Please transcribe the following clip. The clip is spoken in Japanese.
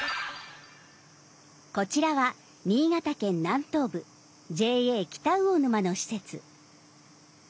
こちらは新潟県南東部ＪＡ北魚沼の施設。